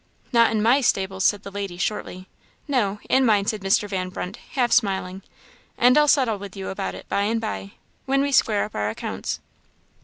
"Not in my stables," said the lady, shortly. "No in mine," said Mr. Van Brunt, half smiling; "and I'll settle with you about it by and by when we square up our accounts."